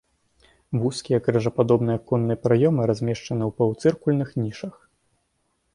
Вузкія крыжападобныя аконныя праёмы размешчаны ў паўцыркульных нішах.